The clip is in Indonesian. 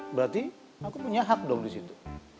berarti aku punya hak dong disitu